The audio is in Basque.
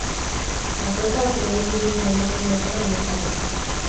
Batzuetan, lehoi burudun emakume bezala irudikatua zen.